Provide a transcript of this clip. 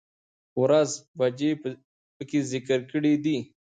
،ورځ، بجې په کې ذکر کړى دي